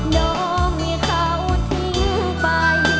ยอมให้เขาทิ้งไป